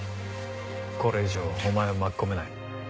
これ以上お前を巻き込めない。